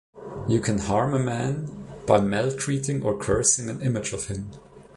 You can harm a man by maltreating or cursing an image of him.